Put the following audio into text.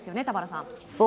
田原さん。